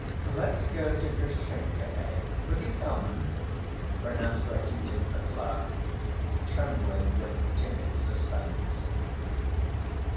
"Let's go to Grushenka, eh? Will you come?" pronounced Rakitin at last, trembling with timid suspense.